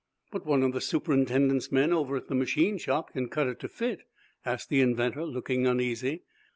"But one of the superintendent's men over at the machine shop can cut it to fit?" asked the inventor, looking uneasy.